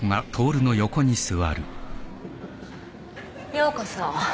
ようこそ。